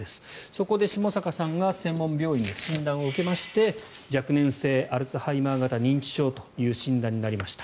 そこで下坂さんが専門病院で診断を受けまして若年性アルツハイマー型認知症という診断になりました。